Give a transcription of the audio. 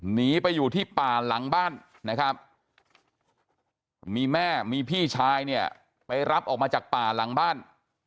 หนีไปอยู่ที่ป่าหลังบ้านนะครับมีแม่มีพี่ชายเนี่ยไปรับออกมาจากป่าหลังบ้าน